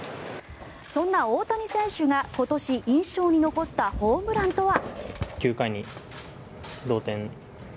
そんな大谷選手が今年印象に残ったホームランとは。